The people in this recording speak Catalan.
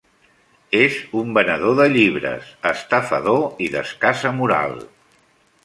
És un venedor de llibres, estafador i d'escassa moral.